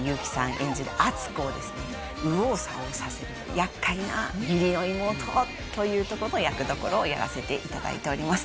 演じる篤子をですね右往左往させる厄介な義理の妹というとこの役どころをやらせていただいております